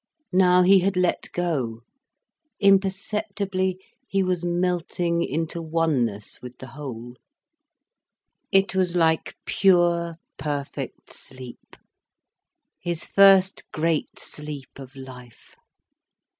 Now he had let go, imperceptibly he was melting into oneness with the whole. It was like pure, perfect sleep, his first great sleep of life.